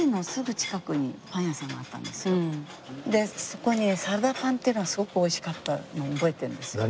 そこにサラダパンっていうのがすごくおいしかったの覚えてるんですよ。